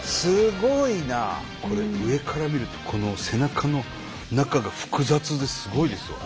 これ上から見るとこの背中の中が複雑ですごいですよ。